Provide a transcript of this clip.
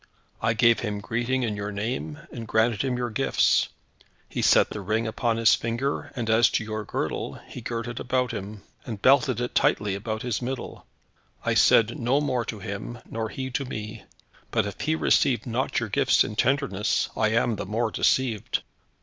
I gave him greeting in your name, and granted him your gifts. He set the ring upon his finger, and as to your girdle, he girt it upon him, and belted it tightly about his middle. I said no more to him, nor he to me; but if he received not your gifts in tenderness, I am the more deceived.